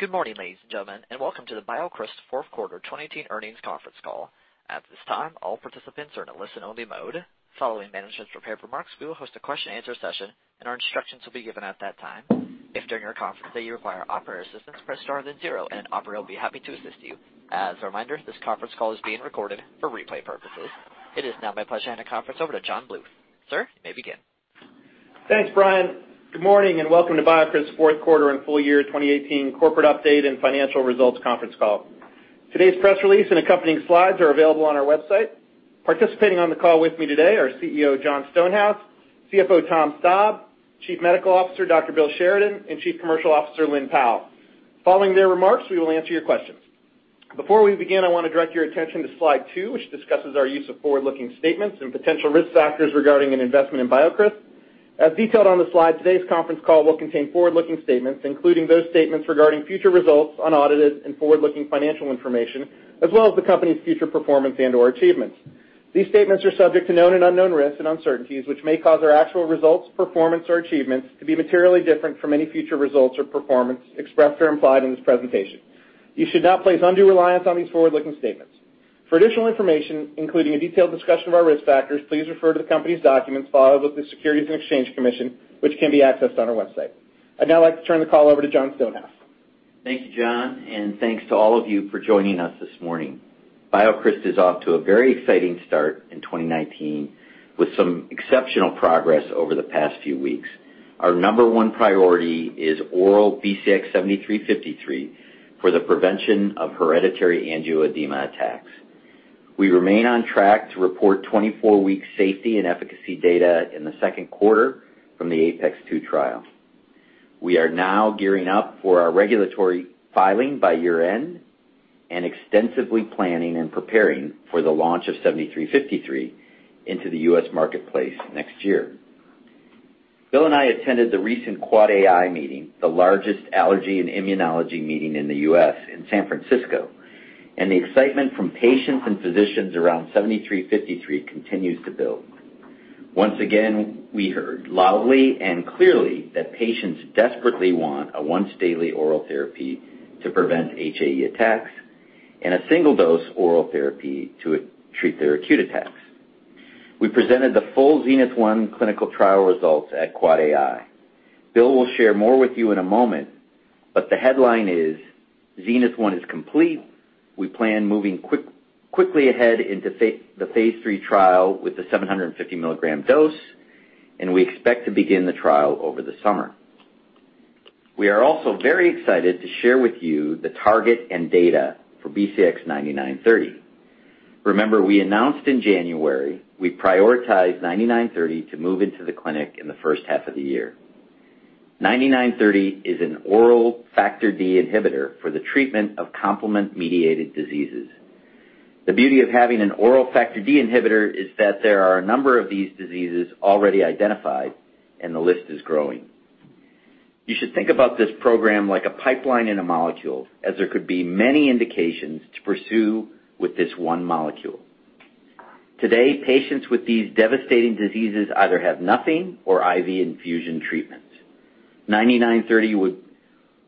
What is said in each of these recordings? Good morning, ladies and gentlemen, and welcome to the BioCryst fourth quarter 2018 earnings conference call. At this time, all participants are in a listen-only mode. Following management's prepared remarks, we will host a question and answer session, and our instructions will be given at that time. If during your conference that you require operator assistance, press star then 0, and an operator will be happy to assist you. As a reminder, this conference call is being recorded for replay purposes. It is now my pleasure to hand the conference over to John Bluth. Sir, you may begin. Thanks, Brian. Good morning, and welcome to BioCryst fourth quarter and full year 2018 corporate update and financial results conference call. Today's press release and accompanying slides are available on our website. Participating on the call with me today are CEO, John Stonehouse, CFO, Tom Staab, Chief Medical Officer, Dr. Bill Sheridan, and Chief Commercial Officer, Lynne Powell. Following their remarks, we will answer your questions. Before we begin, I want to direct your attention to slide two, which discusses our use of forward-looking statements and potential risk factors regarding an investment in BioCryst. As detailed on the slide, today's conference call will contain forward-looking statements, including those statements regarding future results on audited and forward-looking financial information, as well as the company's future performance and/or achievements. These statements are subject to known and unknown risks and uncertainties, which may cause our actual results, performance, or achievements to be materially different from any future results or performance expressed or implied in this presentation. You should not place undue reliance on these forward-looking statements. For additional information, including a detailed discussion of our risk factors, please refer to the company's documents filed with the Securities and Exchange Commission, which can be accessed on our website. I'd now like to turn the call over to John Stonehouse. Thank you, John, and thanks to all of you for joining us this morning. BioCryst is off to a very exciting start in 2019 with some exceptional progress over the past few weeks. Our number one priority is oral BCX7353 for the prevention of hereditary angioedema attacks. We remain on track to report 24-week safety and efficacy data in the second quarter from the APeX-2 trial. We are now gearing up for our regulatory filing by year-end, and extensively planning and preparing for the launch of 7353 into the U.S. marketplace next year. Bill and I attended the recent AAAAI meeting, the largest allergy and immunology meeting in the U.S. in San Francisco, and the excitement from patients and physicians around 7353 continues to build. Once again, we heard loudly and clearly that patients desperately want a once daily oral therapy to prevent HAE attacks and a single-dose oral therapy to treat their acute attacks. We presented the full ZENITH-1 clinical trial results at AAAAI. Bill will share more with you in a moment. The headline is ZENITH-1 is complete. We plan moving quickly ahead into the phase III trial with the 750 milligram dose. We expect to begin the trial over the summer. We are also very excited to share with you the target and data for BCX9930. Remember, we announced in January, we prioritized BCX9930 to move into the clinic in the first half of the year. BCX9930 is an oral factor D inhibitor for the treatment of complement-mediated diseases. The beauty of having an oral factor D inhibitor is that there are a number of these diseases already identified. The list is growing. You should think about this program like a pipeline in a molecule, as there could be many indications to pursue with this one molecule. Today, patients with these devastating diseases either have nothing or IV infusion treatments. BCX9930 would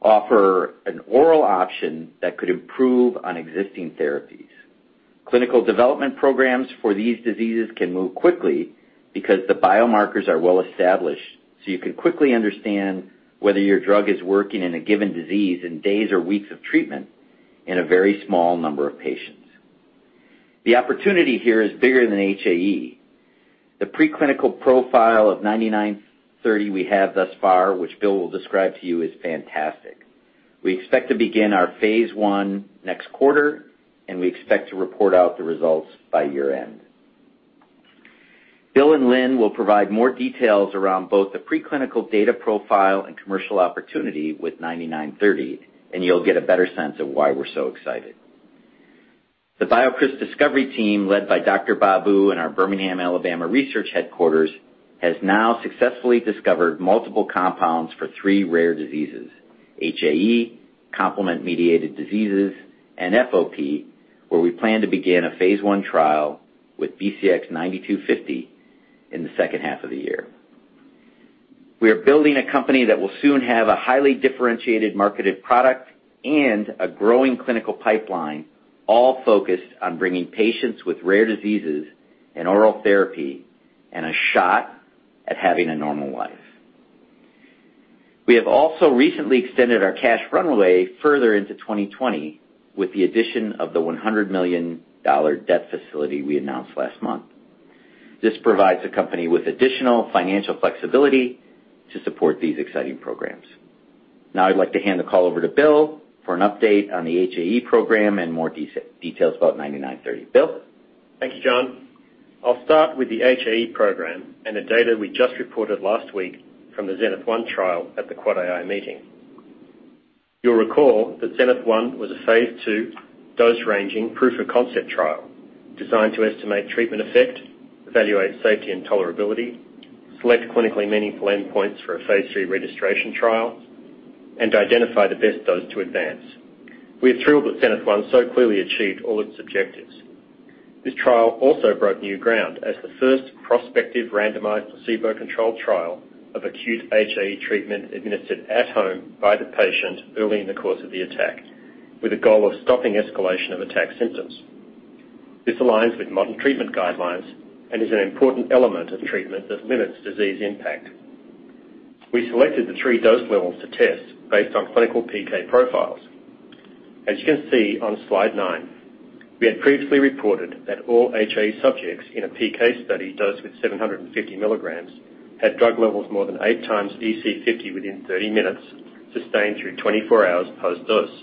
offer an oral option that could improve on existing therapies. Clinical development programs for these diseases can move quickly because the biomarkers are well established. You can quickly understand whether your drug is working in a given disease in days or weeks of treatment in a very small number of patients. The opportunity here is bigger than HAE. The preclinical profile of BCX9930 we have thus far, which Bill will describe to you, is fantastic. We expect to begin our phase I next quarter. We expect to report out the results by year end. Bill and Lynne will provide more details around both the preclinical data profile and commercial opportunity with BCX9930. You'll get a better sense of why we're so excited. The BioCryst discovery team, led by Dr. Babu in our Birmingham, Alabama research headquarters, has now successfully discovered multiple compounds for three rare diseases: HAE, complement-mediated diseases, and FOP, where we plan to begin a phase I trial with BCX9250 in the second half of the year. We are building a company that will soon have a highly differentiated marketed product and a growing clinical pipeline, all focused on bringing patients with rare diseases an oral therapy and a shot at having a normal life. We have also recently extended our cash runway further into 2020 with the addition of the $100 million debt facility we announced last month. This provides the company with additional financial flexibility to support these exciting programs. Now I'd like to hand the call over to Bill for an update on the HAE program and more details about BCX9930. Bill? Thank you, John. I'll start with the HAE program and the data we just reported last week from the ZENITH-1 trial at the AAAAI meeting. You'll recall that ZENITH-1 was a phase II dose-ranging proof of concept trial designed to estimate treatment effect, evaluate safety and tolerability, select clinically meaningful endpoints for a phase III registration trial, and to identify the best dose to advance. We are thrilled that ZENITH-1 so clearly achieved all its objectives This trial also broke new ground as the first prospective randomized placebo-controlled trial of acute HAE treatment administered at home by the patient early in the course of the attack, with a goal of stopping escalation of attack symptoms. This aligns with modern treatment guidelines and is an important element of treatment that limits disease impact. We selected the 3 dose levels to test based on clinical PK profiles. As you can see on slide nine, we had previously reported that all HAE subjects in a PK study dosed with 750 milligrams had drug levels more than eight times EC50 within 30 minutes, sustained through 24 hours post-dose.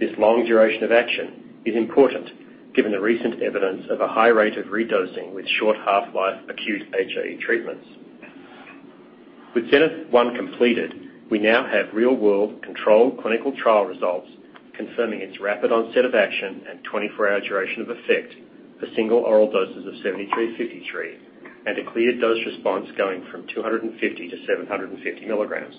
This long duration of action is important given the recent evidence of a high rate of re-dosing with short half-life acute HAE treatments. With ZENITH-1 completed, we now have real-world controlled clinical trial results confirming its rapid onset of action and 24-hour duration of effect for single oral doses of BCX7353, a clear dose response going from 250 to 750 milligrams.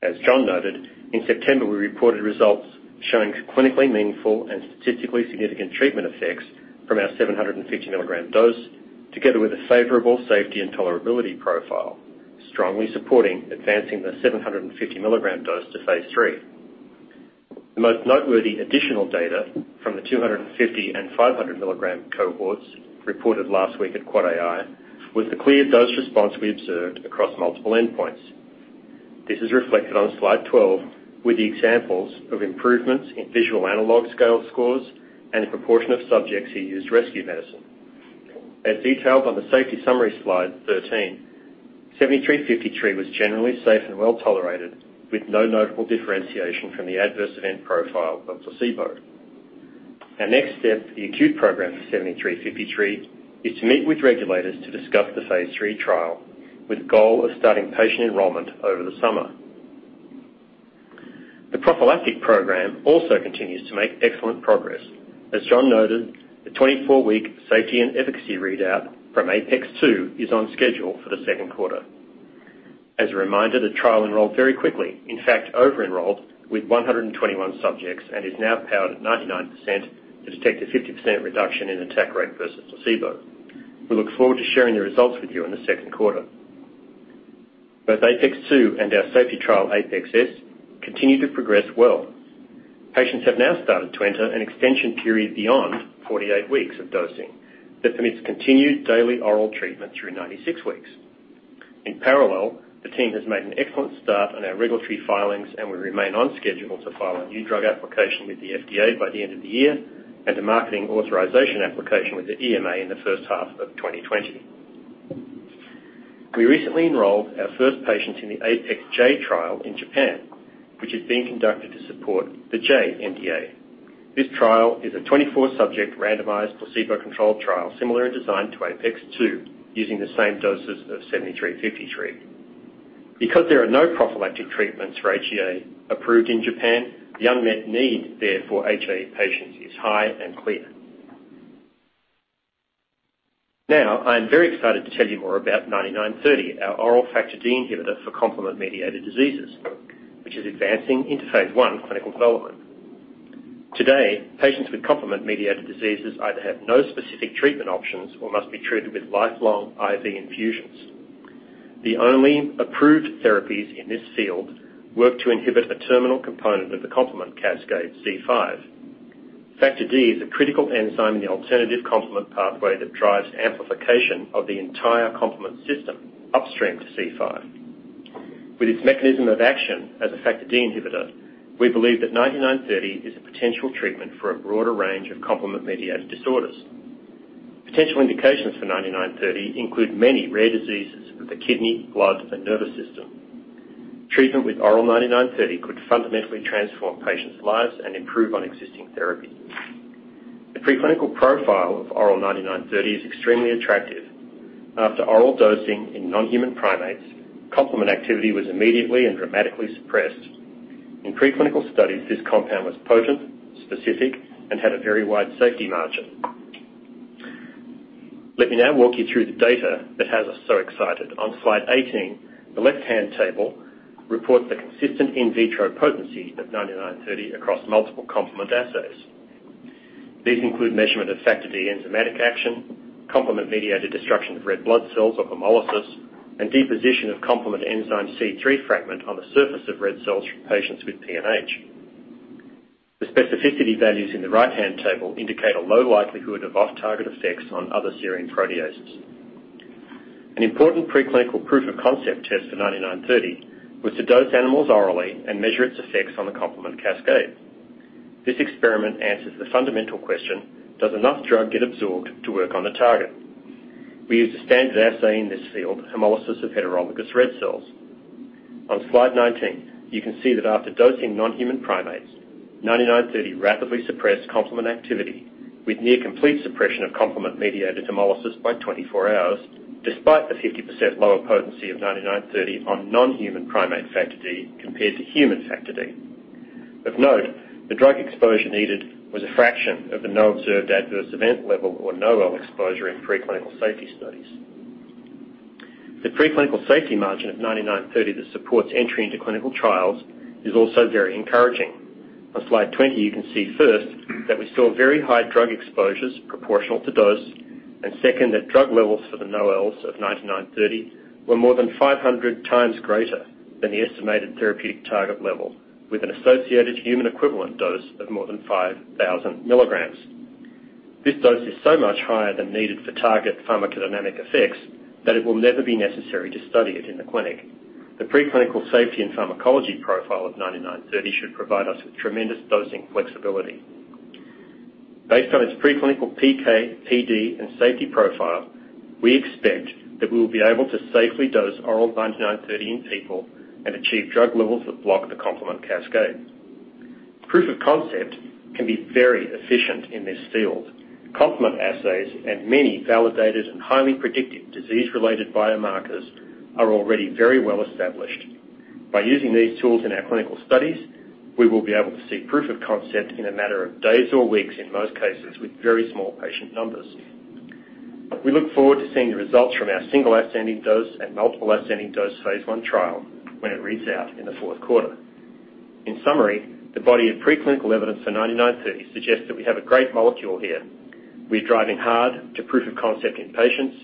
As John noted, in September, we reported results showing clinically meaningful and statistically significant treatment effects from our 750 milligram dose, together with a favorable safety and tolerability profile, strongly supporting advancing the 750 milligram dose to phase III. The most noteworthy additional data from the 250 and 500 milligram cohorts reported last week at AAAAI was the clear dose response we observed across multiple endpoints. This is reflected on slide 12 with the examples of improvements in visual analog scale scores and the proportion of subjects who used rescue medicine. As detailed on the safety summary slide 13, BCX7353 was generally safe and well-tolerated, with no notable differentiation from the adverse event profile of placebo. Our next step for the acute program for BCX7353 is to meet with regulators to discuss the phase III trial, with the goal of starting patient enrollment over the summer. The prophylactic program also continues to make excellent progress. As John noted, the 24-week safety and efficacy readout from APeX-2 is on schedule for the second quarter. As a reminder, the trial enrolled very quickly, in fact, over-enrolled, with 121 subjects and is now powered at 99% to detect a 50% reduction in attack rate versus placebo. We look forward to sharing the results with you in the second quarter. Both APeX-2 and our safety trial, APeX-S, continue to progress well. Patients have now started to enter an extension period beyond 48 weeks of dosing that permits continued daily oral treatment through 96 weeks. In parallel, the team has made an excellent start on our regulatory filings, we remain on schedule to file a new drug application with the FDA by the end of the year and a marketing authorization application with the EMA in the first half of 2020. We recently enrolled our first patients in the APeX-J trial in Japan, which is being conducted to support the JNDA. This trial is a 24-subject randomized placebo-controlled trial, similarly designed to APeX-2, using the same doses of BCX7353. Because there are no prophylactic treatments for HAE approved in Japan, the unmet need there for HAE patients is high and clear. I am very excited to tell you more about BCX9930, our oral factor D inhibitor for complement-mediated diseases, which is advancing into phase I clinical development. Today, patients with complement-mediated diseases either have no specific treatment options or must be treated with lifelong IV infusions. The only approved therapies in this field work to inhibit a terminal component of the complement cascade, C5. factor D is a critical enzyme in the alternative complement pathway that drives amplification of the entire complement system upstream to C5. With its mechanism of action as a factor D inhibitor, we believe that BCX9930 is a potential treatment for a broader range of complement-mediated disorders. Potential indications for BCX9930 include many rare diseases of the kidney, blood, and nervous system. Treatment with oral BCX9930 could fundamentally transform patients' lives and improve on existing therapies. The preclinical profile of oral BCX9930 is extremely attractive. After oral dosing in non-human primates, complement activity was immediately and dramatically suppressed. In preclinical studies, this compound was potent, specific, and had a very wide safety margin. Let me now walk you through the data that has us so excited. On slide 18, the left-hand table reports the consistent in vitro potency of BCX9930 across multiple complement assays. These include measurement of factor D enzymatic action, complement-mediated destruction of red blood cells or hemolysis, and deposition of complement enzyme C3 fragment on the surface of red cells from patients with PNH. The specificity values in the right-hand table indicate a low likelihood of off-target effects on other serine proteases. An important preclinical proof of concept test for BCX9930 was to dose animals orally and measure its effects on the complement cascade. This experiment answers the fundamental question: Does enough drug get absorbed to work on the target? We use a standard assay in this field, hemolysis of heterologous red cells. On slide 19, you can see that after dosing non-human primates, BCX9930 rapidly suppressed complement activity with near complete suppression of complement-mediated hemolysis by 24 hours, despite the 50% lower potency of BCX9930 on non-human primate factor D compared to human factor D. Of note, the drug exposure needed was a fraction of the No-Observed-Adverse-Effect Level or NOAEL exposure in preclinical safety studies. The preclinical safety margin of 9930 that supports entry into clinical trials is also very encouraging. On slide 20, you can see first, that we saw very high drug exposures proportional to dose, and second, that drug levels for the NOAELs of BCX9930 were more than 500 times greater than the estimated therapeutic target level, with an associated human equivalent dose of more than 5,000 milligrams. This dose is so much higher than needed for target pharmacodynamic effects, that it will never be necessary to study it in the clinic. The preclinical safety and pharmacology profile of BCX9930 should provide us with tremendous dosing flexibility. Based on its preclinical PK, PD, and safety profile, we expect that we will be able to safely dose oral BCX9930 in people and achieve drug levels that block the complement cascade. Proof of concept can be very efficient in this field. Complement assays and many validated and highly predictive disease-related biomarkers are already very well-established. By using these tools in our clinical studies, we will be able to see proof of concept in a matter of days or weeks in most cases, with very small patient numbers. We look forward to seeing the results from our single ascending dose and multiple ascending dose Phase I trial when it reads out in the fourth quarter. In summary, the body of preclinical evidence for BCX9930 suggests that we have a great molecule here. We're driving hard to proof of concept in patients,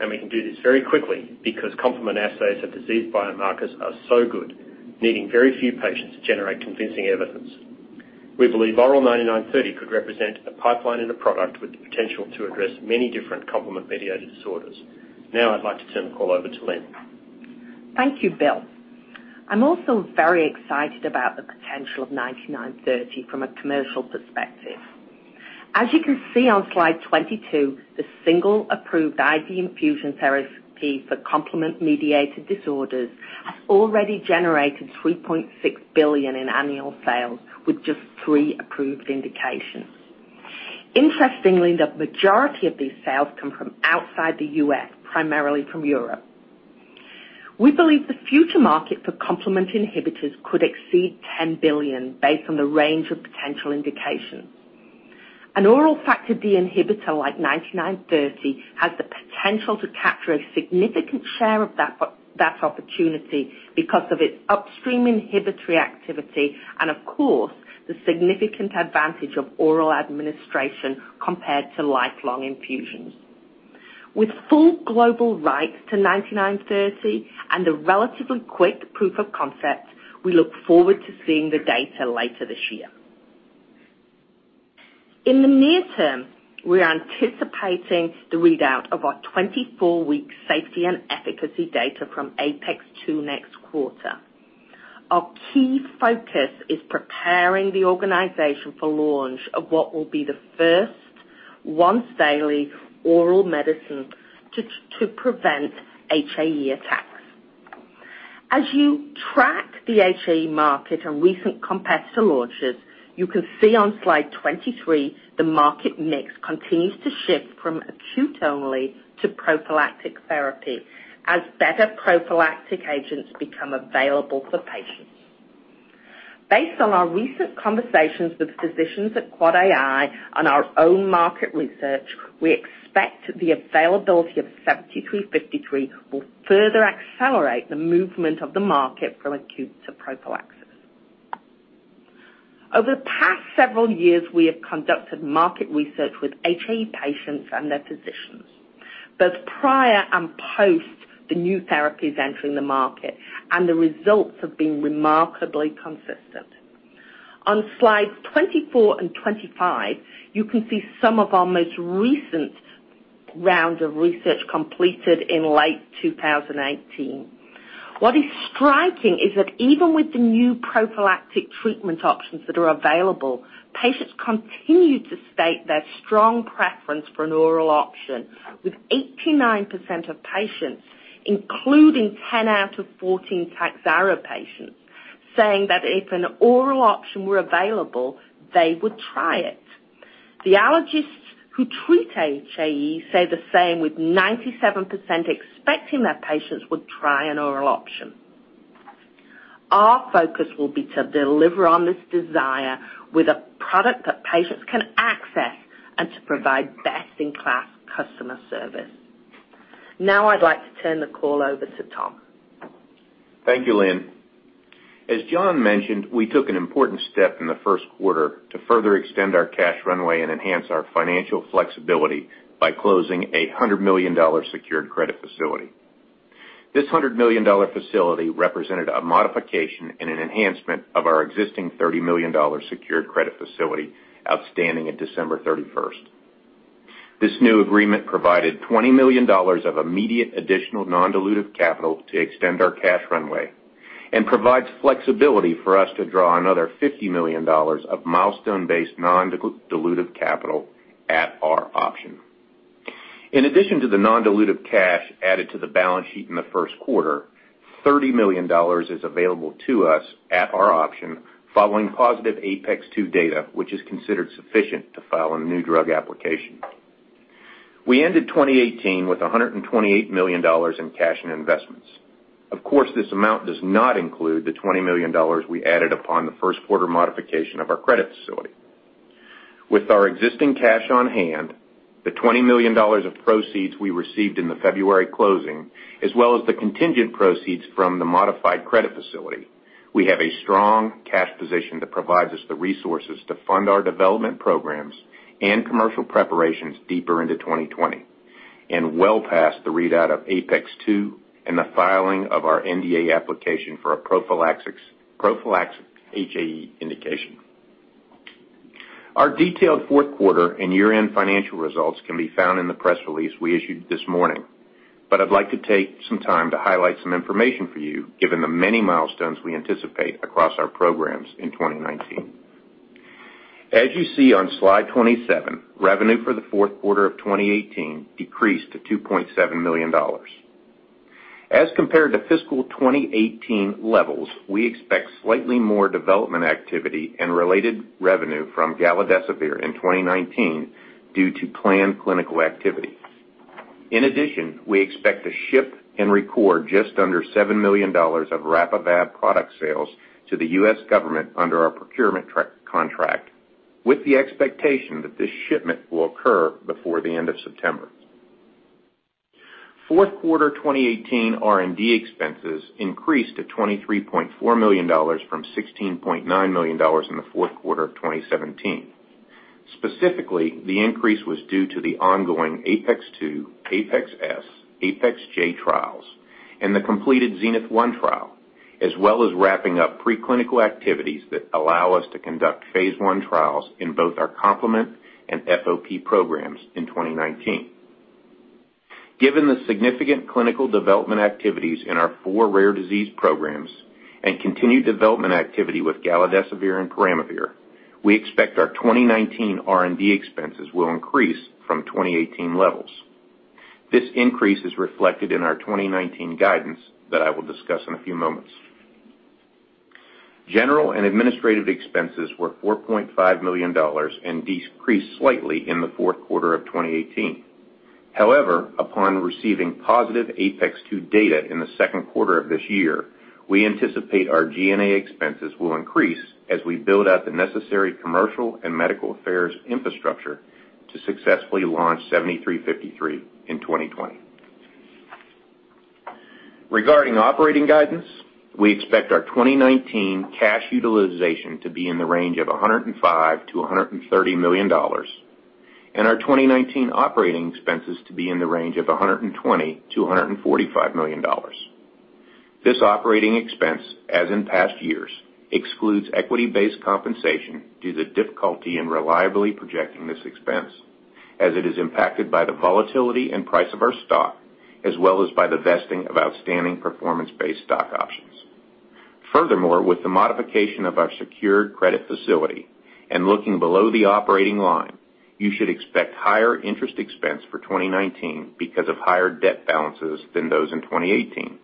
and we can do this very quickly because complement assays of disease biomarkers are so good, needing very few patients to generate convincing evidence. We believe oral BCX9930 could represent a pipeline and a product with the potential to address many different complement-mediated disorders. Now I'd like to turn the call over to Lynne. Thank you, Bill. I'm also very excited about the potential of BCX9930 from a commercial perspective. As you can see on slide 22, the single approved IV infusion therapy for complement-mediated disorders has already generated $3.6 billion in annual sales with just three approved indications. Interestingly, the majority of these sales come from outside the U.S., primarily from Europe. We believe the future market for complement inhibitors could exceed $10 billion based on the range of potential indications. An oral Factor D inhibitor like BCX9930 has the potential to capture a significant share of that opportunity because of its upstream inhibitory activity and of course, the significant advantage of oral administration compared to lifelong infusions. With full global rights to BCX9930 and a relatively quick proof of concept, we look forward to seeing the data later this year. In the near term, we are anticipating the readout of our 24-week safety and efficacy data from APeX-2 next quarter. Our key focus is preparing the organization for launch of what will be the first once-daily oral medicine to prevent HAE attacks. As you track the HAE market and recent competitor launches, you can see on slide 23, the market mix continues to shift from acute-only to prophylactic therapy, as better prophylactic agents become available for patients. Based on our recent conversations with physicians at AAAAI and our own market research, we expect the availability of 7353 will further accelerate the movement of the market from acute to prophylaxis. Over the past several years, we have conducted market research with HAE patients and their physicians, both prior and post the new therapies entering the market, and the results have been remarkably consistent. On slides 24 and 25, you can see some of our most recent rounds of research completed in late 2018. What is striking is that even with the new prophylactic treatment options that are available, patients continue to state their strong preference for an oral option, with 89% of patients, including 10 out of 14 TAKHZYRO patients, saying that if an oral option were available, they would try it. The allergists who treat HAE say the same, with 97% expecting their patients would try an oral option. Our focus will be to deliver on this desire with a product that patients can access and to provide best-in-class customer service. Now I'd like to turn the call over to Tom Staab. Thank you, Lynne Powell. As Jon Stonehouse mentioned, we took an important step in the first quarter to further extend our cash runway and enhance our financial flexibility by closing a $100 million secured credit facility. This $100 million facility represented a modification and an enhancement of our existing $30 million secured credit facility outstanding at December 31st. This new agreement provided $20 million of immediate additional non-dilutive capital to extend our cash runway and provides flexibility for us to draw another $50 million of milestone-based non-dilutive capital at our option. In addition to the non-dilutive cash added to the balance sheet in the first quarter, $30 million is available to us at our option following positive APeX-2 data, which is considered sufficient to file a new drug application. We ended 2018 with $128 million in cash and investments. Of course, this amount does not include the $20 million we added upon the first quarter modification of our credit facility. With our existing cash on hand, the $20 million of proceeds we received in the February closing, as well as the contingent proceeds from the modified credit facility, we have a strong cash position that provides us the resources to fund our development programs and commercial preparations deeper into 2020 and well past the readout of APeX-2 and the filing of our NDA application for a prophylactic HAE indication. Our detailed fourth quarter and year-end financial results can be found in the press release we issued this morning, but I'd like to take some time to highlight some information for you, given the many milestones we anticipate across our programs in 2019. As you see on slide 27, revenue for the fourth quarter of 2018 decreased to $2.7 million. As compared to fiscal 2018 levels, we expect slightly more development activity and related revenue from galidesivir in 2019 due to planned clinical activity. In addition, we expect to ship and record just under $7 million of RAPIVAB product sales to the U.S. government under our procurement contract, with the expectation that this shipment will occur before the end of September. Fourth quarter 2018 R&D expenses increased to $23.4 million from $16.9 million in the fourth quarter of 2017. Specifically, the increase was due to the ongoing APeX-2, APeX-S, APeX-J trials, and the completed ZENITH-1 trial, as well as wrapping up preclinical activities that allow us to conduct phase I trials in both our complement and FOP programs in 2019. Given the significant clinical development activities in our four rare disease programs and continued development activity with galidesivir and peramivir, we expect our 2019 R&D expenses will increase from 2018 levels. This increase is reflected in our 2019 guidance that I will discuss in a few moments. General and administrative expenses were $4.5 million and decreased slightly in the fourth quarter of 2018. Upon receiving positive APeX-2 data in the second quarter of this year, we anticipate our G&A expenses will increase as we build out the necessary commercial and medical affairs infrastructure to successfully launch 7353 in 2020. Regarding operating guidance, we expect our 2019 cash utilization to be in the range of $105 million-$130 million and our 2019 operating expenses to be in the range of $120 million-$145 million. This operating expense, as in past years, excludes equity-based compensation due to difficulty in reliably projecting this expense, as it is impacted by the volatility and price of our stock, as well as by the vesting of outstanding performance-based stock options. With the modification of our secured credit facility and looking below the operating line, you should expect higher interest expense for 2019 because of higher debt balances than those in 2018.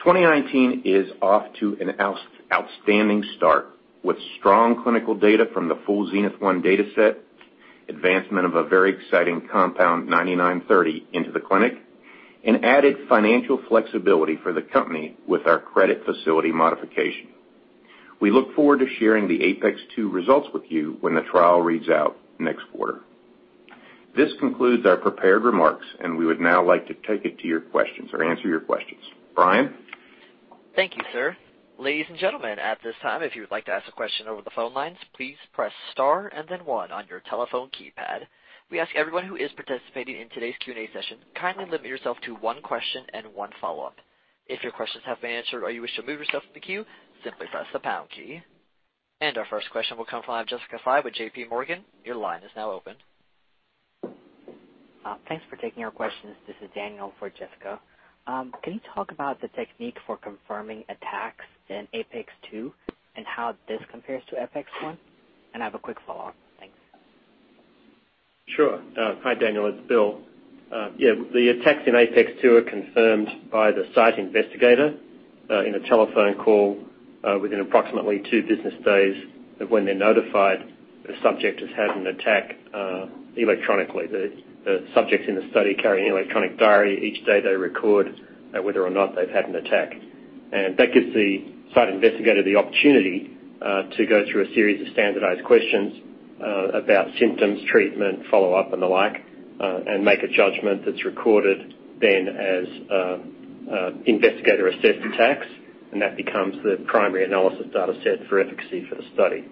2019 is off to an outstanding start with strong clinical data from the full ZENITH-1 data set, advancement of a very exciting compound 9930 into the clinic, and added financial flexibility for the company with our credit facility modification. We look forward to sharing the APeX-2 results with you when the trial reads out next quarter. This concludes our prepared remarks. We would now like to answer your questions. Brian? Thank you, sir. Ladies and gentlemen, at this time, if you would like to ask a question over the phone lines, please press star and then one on your telephone keypad. We ask everyone who is participating in today's Q&A session to kindly limit yourself to one question and one follow-up. If your questions have been answered or you wish to move yourself in the queue, simply press the pound key. Our first question will come from Jessica Fye with J.P. Morgan. Your line is now open. Thanks for taking our questions. This is Daniel for Jessica. Can you talk about the technique for confirming attacks in APeX-2 and how this compares to APeX-1? I have a quick follow-up. Thanks. Sure. Hi, Daniel. It's Bill. Yeah, the attacks in APeX-2 are confirmed by the site investigator in a telephone call within approximately two business days of when they're notified the subject has had an attack electronically. The subjects in the study carry an electronic diary. Each day they record whether or not they've had an attack. That gives the site investigator the opportunity to go through a series of standardized questions about symptoms, treatment, follow-up, and the like, and make a judgment that's recorded then as investigator-assessed attacks, and that becomes the primary analysis data set for efficacy for the study.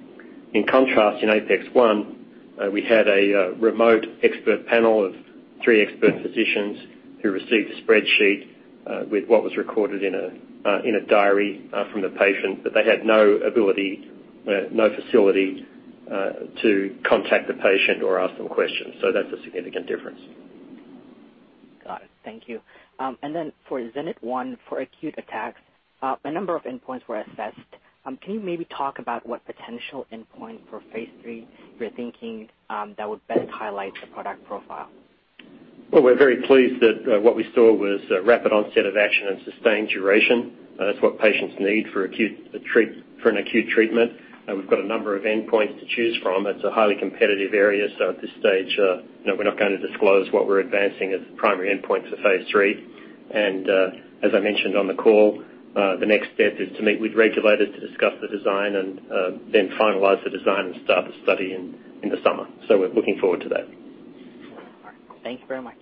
In contrast, in APeX-1, we had a remote expert panel of three expert physicians who received a spreadsheet with what was recorded in a diary from the patient, but they had no facility to contact the patient or ask them questions. That's a significant difference. Got it. Thank you. For ZENITH-1, for acute attacks, a number of endpoints were assessed. Can you maybe talk about what potential endpoint for phase III you're thinking that would best highlight the product profile? Well, we're very pleased that what we saw was rapid onset of action and sustained duration. That's what patients need for an acute treatment. We've got a number of endpoints to choose from. It's a highly competitive area. At this stage, we're not going to disclose what we're advancing as the primary endpoint for phase III. As I mentioned on the call, the next step is to meet with regulators to discuss the design, finalize the design and start the study in the summer. We're looking forward to that. All right. Thank you very much.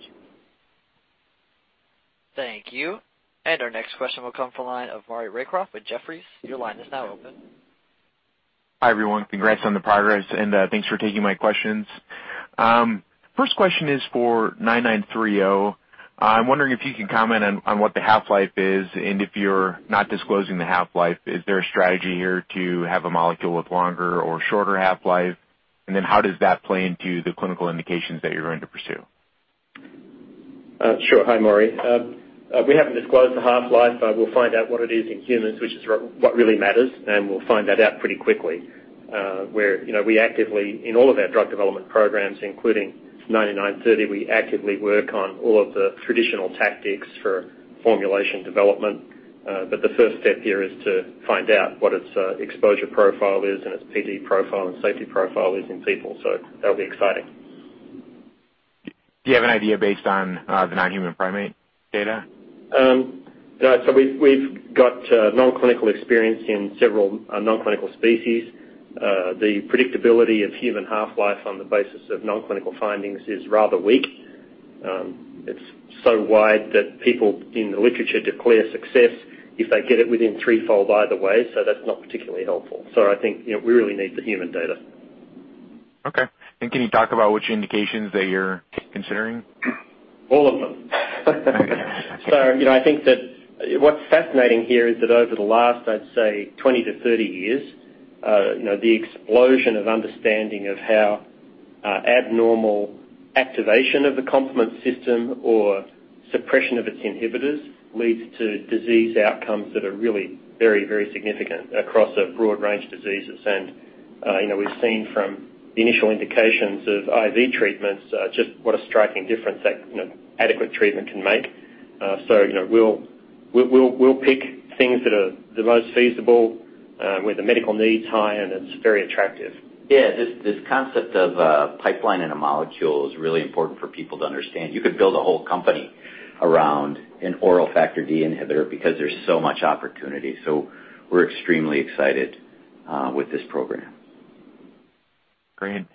Thank you. Our next question will come from the line of Maury Raycroft with Jefferies. Your line is now open. Hi, everyone. Congrats on the progress and thanks for taking my questions. First question is for BCX9930. I'm wondering if you can comment on what the half-life is, and if you're not disclosing the half-life, is there a strategy here to have a molecule with longer or shorter half-life? How does that play into the clinical indications that you're going to pursue? Sure. Hi, Maury. We haven't disclosed the half-life. We'll find out what it is in humans, which is what really matters, and we'll find that out pretty quickly. In all of our drug development programs, including BCX9930, we actively work on all of the traditional tactics for formulation development. The first step here is to find out what its exposure profile is and its PD profile and safety profile is in people. That'll be exciting. Do you have an idea based on the non-human primate data? No. We've got non-clinical experience in several non-clinical species. The predictability of human half-life on the basis of non-clinical findings is rather weak. It's so wide that people in the literature declare success if they get it within threefold either way, that's not particularly helpful. I think we really need the human data. Okay. Can you talk about which indications that you're considering? All of them. I think that what's fascinating here is that over the last, I'd say, 20 to 30 years, the explosion of understanding of how abnormal activation of the complement system or suppression of its inhibitors leads to disease outcomes that are really very, very significant across a broad range of diseases. We've seen from the initial indications of IV treatments, just what a striking difference that adequate treatment can make. We'll pick things that are the most feasible, where the medical need is high and it's very attractive. Yeah, this concept of a pipeline in a molecule is really important for people to understand. You could build a whole company around an oral factor D inhibitor because there's so much opportunity. We're extremely excited with this program. Great.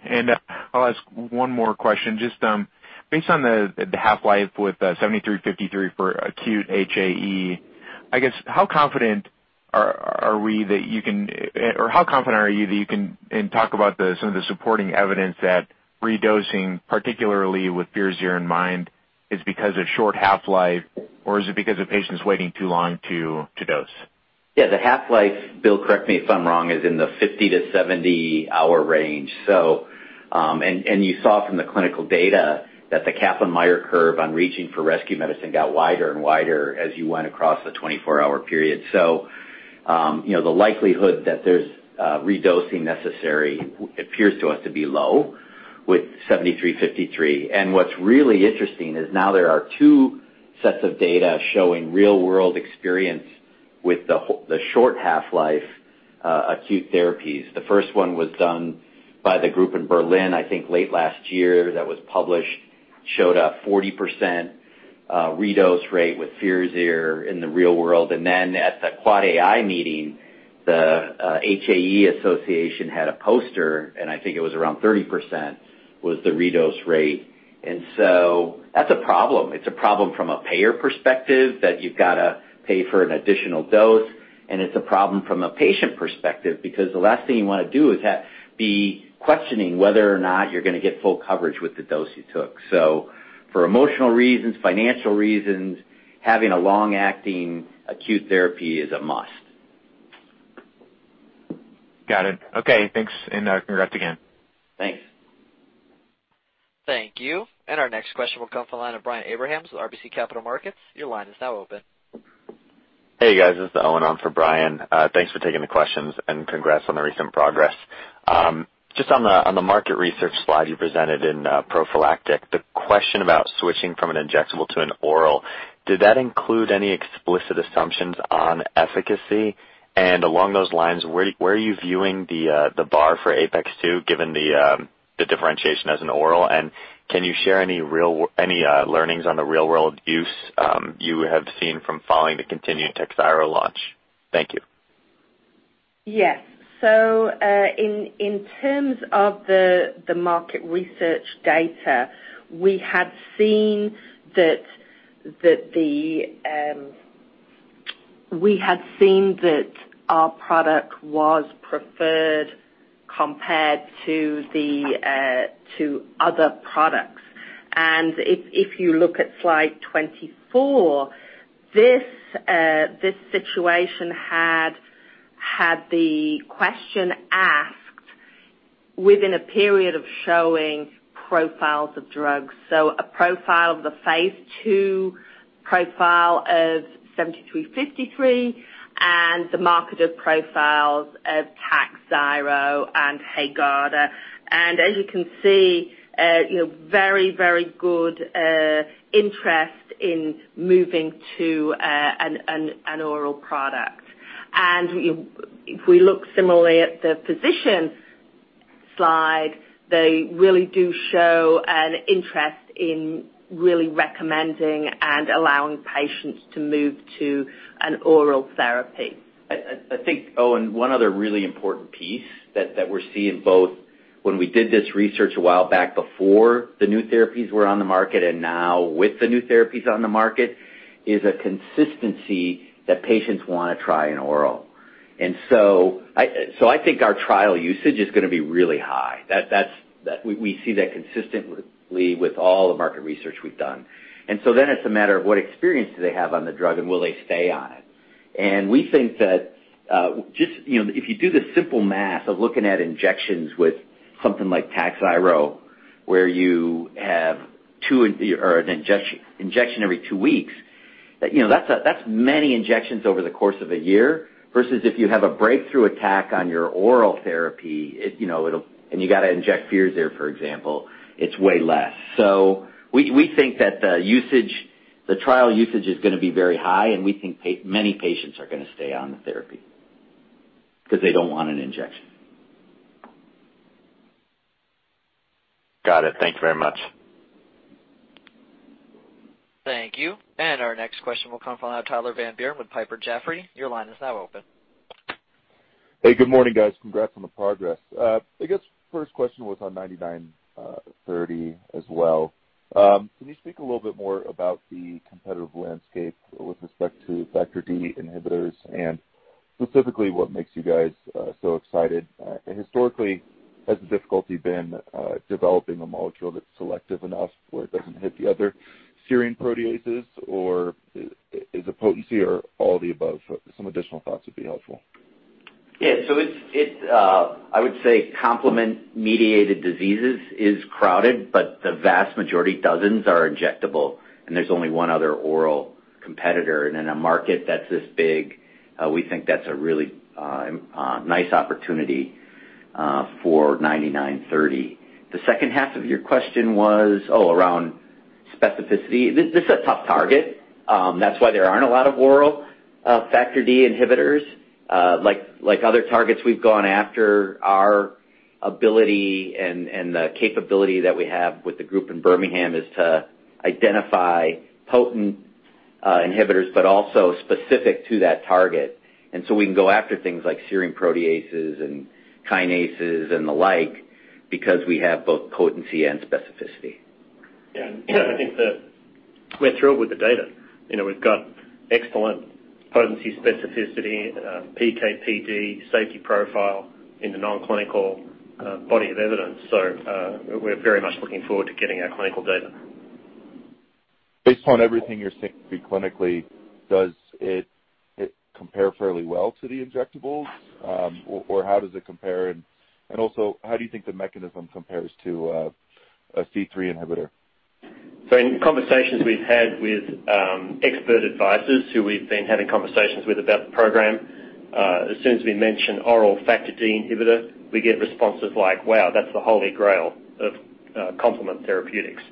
I'll ask one more question. Just based on the half-life with 7353 for acute HAE, how confident are you that you can and talk about some of the supporting evidence that redosing, particularly with FIRAZYR in mind, is because of short half-life, or is it because the patient's waiting too long to dose? Yeah, the half-life, Bill, correct me if I'm wrong, is in the 50-70-hour range. You saw from the clinical data that the Kaplan-Meier curve on reaching for rescue medicine got wider and wider as you went across the 24-hour period. The likelihood that there's redosing necessary appears to us to be low with 7353. What's really interesting is now there are two sets of data showing real-world experience with the short half-life acute therapies. The first one was done by the group in Berlin, late last year, that was published, showed a 40% redose rate with FIRAZYR in the real world. At the AAAAI meeting, the HAE Association had a poster, and it was around 30% was the redose rate. That's a problem. It's a problem from a payer perspective that you've got to pay for an additional dose. It's a problem from a patient perspective, because the last thing you want to do is be questioning whether or not you're going to get full coverage with the dose you took. For emotional reasons, financial reasons, having a long-acting acute therapy is a must. Got it. Okay, thanks, and congrats again. Thanks. Thank you. Our next question will come from the line of Brian Abrahams with RBC Capital Markets. Your line is now open. Hey, guys, this is Owen on for Brian. Thanks for taking the questions, and congrats on the recent progress. Just on the market research slide you presented in prophylactic, the question about switching from an injectable to an oral, did that include any explicit assumptions on efficacy? Along those lines, where are you viewing the bar for APeX-2, given the differentiation as an oral? Can you share any learnings on the real-world use you have seen from following the continued TAKHZYRO launch? Thank you. Yes. In terms of the market research data, we had seen that our product was preferred compared to other products. If you look at slide 24, this situation had the question asked within a period of showing profiles of drugs. A profile of the phase II, profile of BCX7353, and the marketer profiles of TAKHZYRO and HAEGARDA. As you can see, very, very good interest in moving to an oral product. If we look similarly at the physician slide, they really do show an interest in really recommending and allowing patients to move to an oral therapy. Oh, one other really important piece that we're seeing both when we did this research a while back before the new therapies were on the market, and now with the new therapies on the market, is a consistency that patients want to try an oral. I think our trial usage is going to be really high. We see that consistently with all the market research we've done. Then it's a matter of what experience do they have on the drug, and will they stay on it. We think that, if you do the simple math of looking at injections with something like TAKHZYRO, where you have an injection every two weeks, that's many injections over the course of a year, versus if you have a breakthrough attack on your oral therapy, and you got to inject FIRAZYR, for example, it's way less. We think that the trial usage is going to be very high, and we think many patients are going to stay on the therapy because they don't want an injection. Got it. Thank you very much. Thank you. Our next question will come from Tyler Van Buren with Piper Jaffray. Your line is now open. Hey, good morning, guys. Congrats on the progress. I guess first question was on 9930 as well. Can you speak a little bit more about the competitive landscape with respect to factor D inhibitors and specifically what makes you guys so excited? Historically, has the difficulty been developing a molecule that's selective enough where it doesn't hit the other serine proteases, or is it potency or all the above? Some additional thoughts would be helpful. Yeah. I would say complement-mediated diseases is crowded, but the vast majority, dozens, are injectable, and there's only one other oral competitor. In a market that's this big, we think that's a really nice opportunity for 9930. The second half of your question was around specificity. This is a tough target. That's why there aren't a lot of oral factor D inhibitors. Like other targets we've gone after, our ability and the capability that we have with the group in Birmingham is to identify potent inhibitors, but also specific to that target. We can go after things like serine proteases and kinases and the like, because we have both potency and specificity. Yeah. I think that we're thrilled with the data. We've got excellent potency specificity, PK/PD safety profile in the non-clinical body of evidence. We're very much looking forward to getting our clinical data. Based on everything you're seeing clinically, does it compare fairly well to the injectables? How does it compare? Also, how do you think the mechanism compares to a C3 inhibitor? In conversations we've had with expert advisors who we've been having conversations with about the program, as soon as we mention oral factor D inhibitor, we get responses like, "Wow, that's the Holy Grail of complement therapeutics."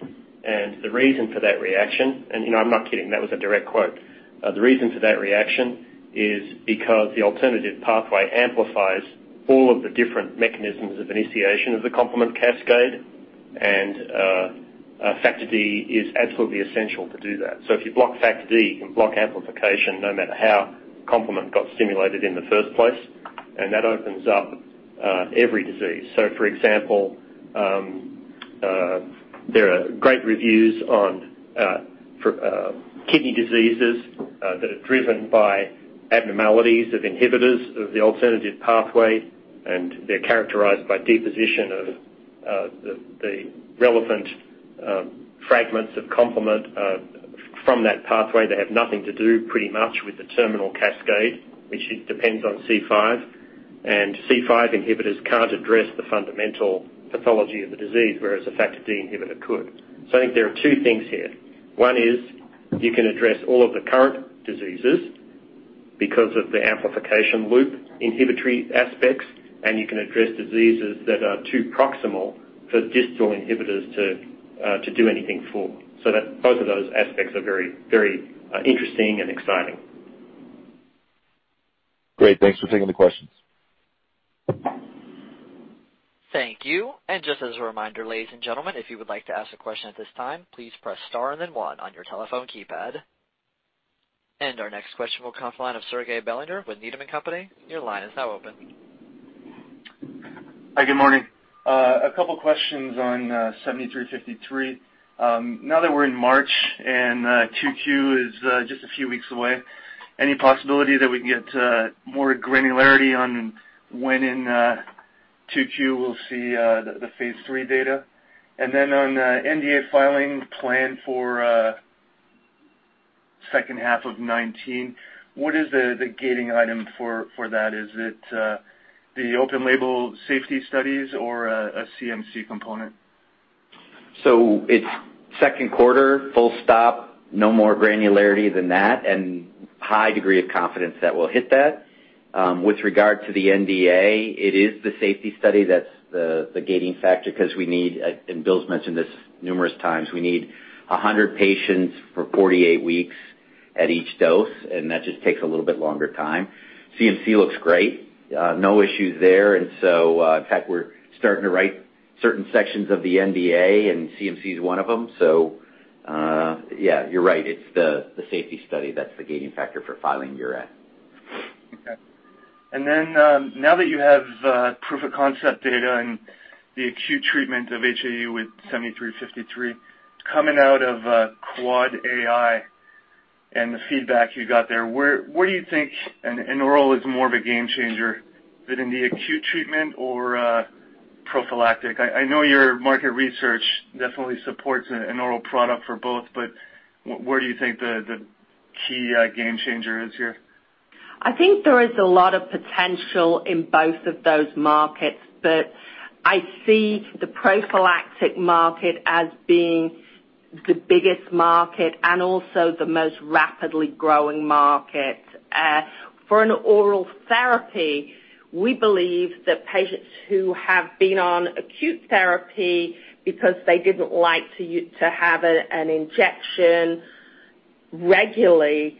The reason for that reaction, and I'm not kidding, that was a direct quote. The reason for that reaction is because the alternative pathway amplifies all of the different mechanisms of initiation of the complement cascade, and factor D is absolutely essential to do that. If you block factor D, you can block amplification no matter how complement got stimulated in the first place, and that opens up every disease. For example, there are great reviews on kidney diseases that are driven by abnormalities of inhibitors of the Alternative Complement Pathway, and they're characterized by deposition of the relevant fragments of complement from that pathway that have nothing to do pretty much with the terminal cascade, which depends on C5. C5 inhibitors can't address the fundamental pathology of the disease, whereas a factor D inhibitor could. I think there are two things here. One is you can address all of the current diseases because of the amplification loop inhibitory aspects, and you can address diseases that are too proximal for distal inhibitors to do anything for. Both of those aspects are very interesting and exciting. Great. Thanks for taking the questions. Thank you. Just as a reminder, ladies and gentlemen, if you would like to ask a question at this time, please press star and then one on your telephone keypad. Our next question will come from the line of Serge Belanger with Needham & Company. Your line is now open. Hi, good morning. A couple questions on 7353. Now that we're in March and Q2 is just a few weeks away, any possibility that we can get more granularity on when in Q2 we'll see the phase III data? On the NDA filing plan for second half of 2019, what is the gating item for that? Is it the open label safety studies or a CMC component? It's second quarter, full stop, no more granularity than that, high degree of confidence that we'll hit that. With regard to the NDA, it is the safety study that's the gating factor because we need, and Bill's mentioned this numerous times, we need 100 patients for 48 weeks at each dose, and that just takes a little bit longer time. CMC looks great. No issues there. In fact, we're starting to write certain sections of the NDA, and CMC is one of them. Yeah, you're right, it's the safety study that's the gating factor for filing your end. Okay. Now that you have proof of concept data and the acute treatment of HAE with 7353, coming out of AAAAI and the feedback you got there, where do you think an oral is more of a game changer? Is it in the acute treatment or prophylactic? I know your market research definitely supports an oral product for both, where do you think the key game changer is here? I think there is a lot of potential in both of those markets, I see the prophylactic market as being the biggest market and also the most rapidly growing market. For an oral therapy, we believe that patients who have been on acute therapy because they didn't like to have an injection regularly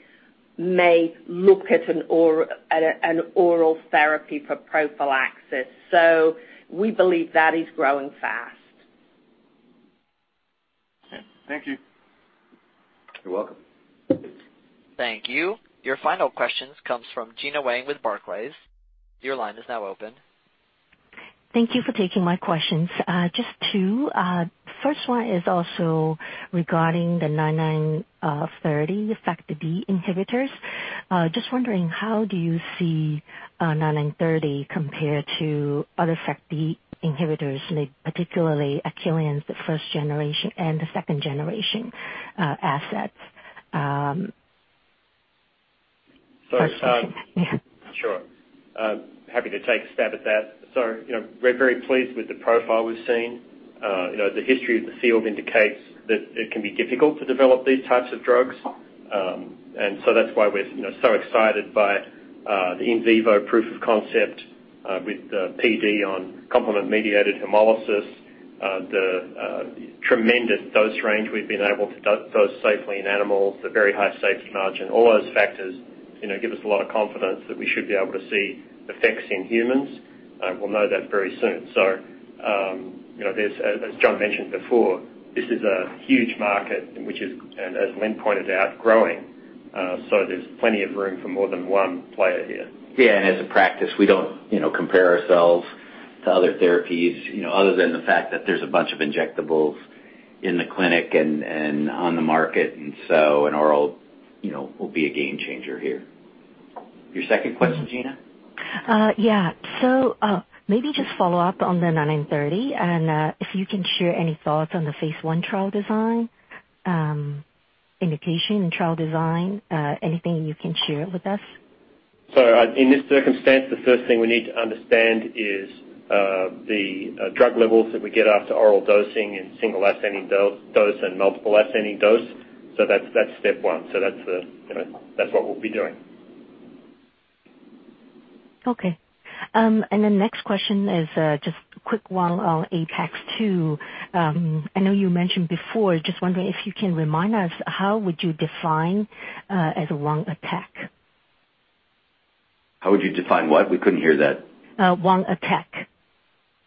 may look at an oral therapy for prophylaxis. We believe that is growing fast. Okay. Thank you. You're welcome. Thank you. Your final question comes from Gena Wang with Barclays. Your line is now open. Thank you for taking my questions. Just two. First one is also regarding the 9930 effect, the Factor D inhibitors. Just wondering, how do you see 9930 compare to other Factor D inhibitors, like particularly Achillion's first generation and the second generation assets? So- Yeah. Sure. Happy to take a stab at that. We're very pleased with the profile we've seen. The history of the field indicates that it can be difficult to develop these types of drugs. That's why we're so excited by the in vivo proof of concept with the PD on complement-mediated hemolysis. The tremendous dose range we've been able to dose safely in animals, the very high safety margin, all those factors give us a lot of confidence that we should be able to see effects in humans. We'll know that very soon. As John mentioned before, this is a huge market, and which is, and as Lynne pointed out, growing. There's plenty of room for more than one player here. Yeah, as a practice, we don't compare ourselves to other therapies, other than the fact that there's a bunch of injectables in the clinic and on the market. An oral will be a game changer here. Your second question, Gena? Yeah. Maybe just follow up on the BCX9930, and if you can share any thoughts on the phase I trial design, indication and trial design, anything you can share with us? In this circumstance, the first thing we need to understand is the drug levels that we get after oral dosing and single ascending dose and multiple ascending dose. That's step one. That's what we'll be doing. Okay. Next question is, just a quick one on APeX-2. I know you mentioned before, just wondering if you can remind us, how would you define as one attack? How would you define what? We couldn't hear that. One attack.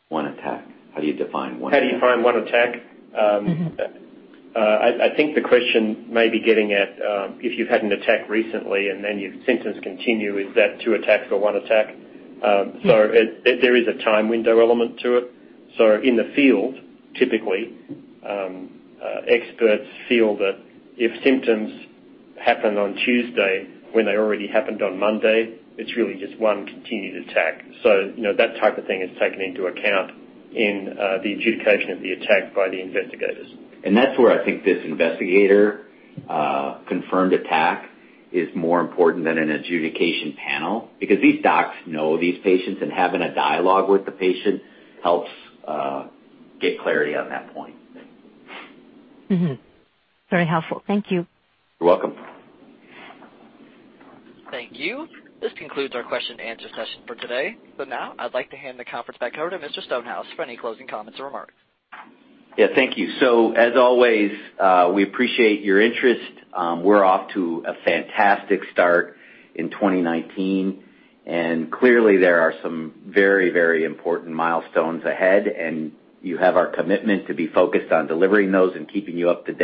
One attack. How do you define one attack? How do you define one attack? I think the question may be getting at, if you've had an attack recently and then your symptoms continue, is that two attacks or one attack? There is a time window element to it. In the field, typically, experts feel that if symptoms happen on Tuesday when they already happened on Monday, it's really just one continued attack. That type of thing is taken into account in the adjudication of the attack by the investigators. That's where I think this investigator confirmed attack is more important than an adjudication panel because these docs know these patients, and having a dialogue with the patient helps get clarity on that point. Very helpful. Thank you. You're welcome. Thank you. This concludes our question and answer session for today. Now, I'd like to hand the conference back over to Mr. Stonehouse for any closing comments or remarks. Yeah. Thank you. As always, we appreciate your interest. We're off to a fantastic start in 2019. Clearly, there are some very important milestones ahead, and you have our commitment to be focused on delivering those and keeping you up to date.